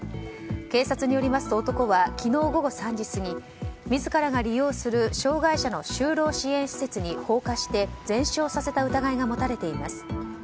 警察によりますと男は昨日午後３時過ぎ自ら使用する障害者の就労支援施設に全焼させた疑いが持たれています。